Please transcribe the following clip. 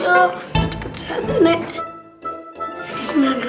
aku udah buka mangkuk